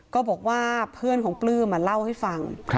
ก็บอกว่าเพื่อนของปลื้มเล่าให้ฟัง